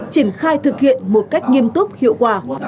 triển khai thực hiện một cách nghiêm túc hiệu quả